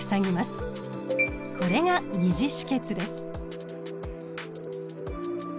これが二次止血です。